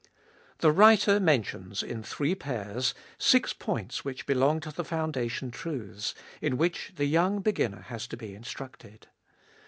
The writer mentions, in three pairs, six points which belong to the foundation truths, in which the young beginner has to be instructed.